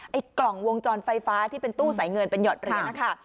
ไอ้กล่องวงจรไฟฟ้าที่เป็นตู้ใส่เงินเป็นหยอดภัณฑ์นะคะ